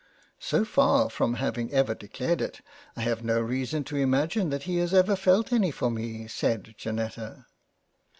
" So far from having ever declared it, I have no reason to imagine that he has ever felt any for me." said Janetta.